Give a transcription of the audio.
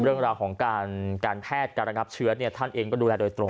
เรื่องราวของการแพทย์การระงับเชื้อท่านเองก็ดูแลโดยตรง